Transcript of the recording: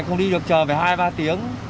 không đi được chờ phải hai ba tiếng